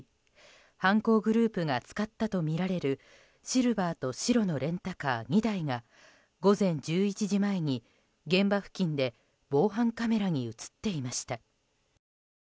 犯行グループが使ったとみられるシルバーと白のレンタカー２台が午前１１時前に現場付近で防犯カメラに映っていました。